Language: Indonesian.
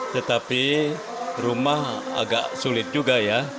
tetapi rumah agak sulit juga ya